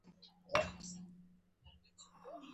د افغانستان د اقتصادي پرمختګ لپاره پکار ده چې محکمه وي.